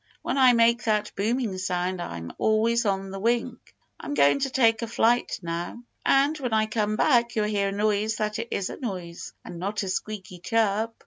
When I make that booming sound I'm always on the wing. I'm going to take a flight now. And when I come back you'll hear a noise that is a noise and not a squeaky chirp."